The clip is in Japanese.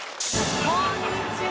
こんにちは。